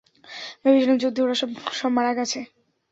ভেবেছিলাম, যুদ্ধে ওরা সব মারা গেছে!